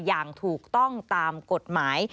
อย่างถูกต้องตามกฎหมาย